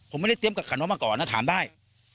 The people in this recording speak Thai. ผมไม่ได้เตรียมกับขันว่ามาก่อนนะถามได้